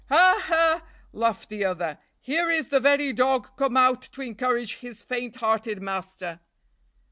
"Ha! ha!" laughed the other. "Here is the very dog come out to encourage his faint hearted master."